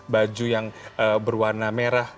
baju yang berwarna merah